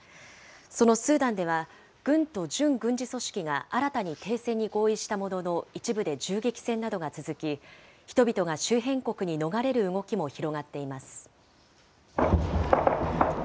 そのスーダンでは、軍と準軍事組織が新たに停戦に合意したものの、一部で銃撃戦などが続き、人々が周辺国に逃れる動きも広がっています。